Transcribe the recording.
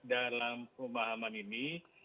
dalam pemahaman ini